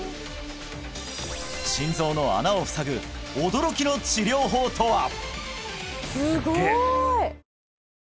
心臓の穴をふさぐ驚きの治療法とは！？